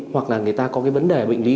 hoặc là người ta có vấn đề bệnh lý